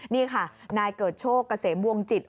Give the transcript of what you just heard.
นี่ค่ะนายเกิดโชคกระเสบวงจิต